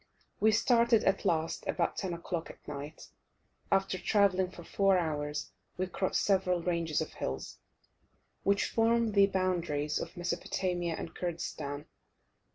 We started at last about 10 o'clock at night. After travelling for four hours we crossed several ranges of hills, which form the boundaries of Mesopotamia and Kurdistan.